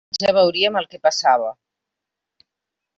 Més endavant ja veuríem el que passava.